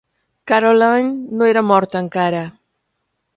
"Carolyn" no era morta encara.